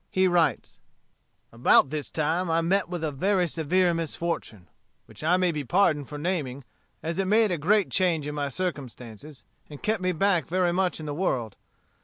He writes: "About this time I met with a very severe misfortune, which I may be pardoned for naming, as it made a great change in my circumstances, and kept me back very much in the world.